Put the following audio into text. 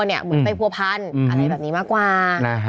เหมือนจะไปภวพรรณอะไรแบบนี้มากกว่า